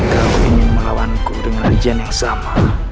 kau ingin melawanku dengan ujian yang sama